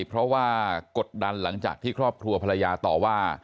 เพราะว่ากดดันหลังจากที่ครอบครัวภรรยาต่อว่า